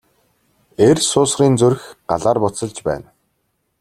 Эр суусрын зүрх Галаар буцалж байна.